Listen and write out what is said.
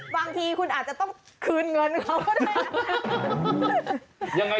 บางทีคุณอาจจะต้องคืนเงินเขาได้